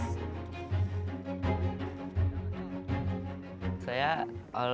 biji biji yang berusia enam belas tahun memiliki kekuasaan untuk memulai pekerjaan